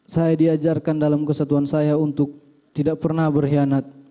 saya diajarkan dalam kesatuan saya untuk tidak pernah berkhianat